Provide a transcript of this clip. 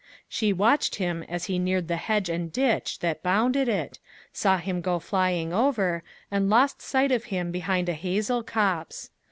She watched him as he neared the hedge and ditch that bounded it, saw him go flying over, and lost sight of him behind a hazel copse.